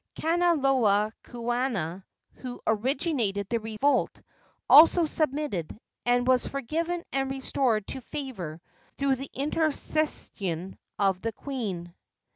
Kanaloa kuaana, who originated the revolt, also submitted, and was forgiven and restored to favor through the intercession of the queen.